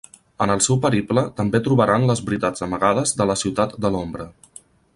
En el seu periple, també trobaran les veritats amagades de la Ciutat de l'ombra.